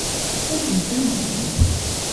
Ad tent-amnent?